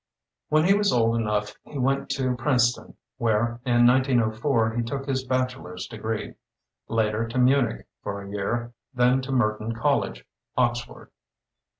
When he was old enough he went to Princeton, where in 1904 he took his bachelor's degree; later to Munich for a year, then to Merton College, Ox ford.